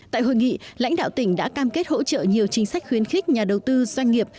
tại hội nghị lãnh đạo tỉnh đã cam kết hỗ trợ nhiều chính sách khuyến khích nhà đầu tư doanh nghiệp